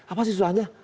apa sih susahnya